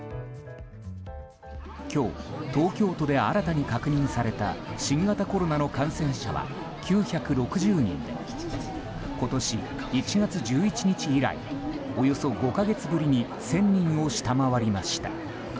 今日、東京都で新たに確認された新型コロナの感染者は９６０人で今年１月１１日以来およそ５か月ぶりに１０００人を下回りました。